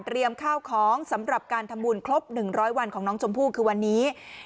ข้าวของสำหรับการทำบุญครบ๑๐๐วันของน้องชมพู่คือวันนี้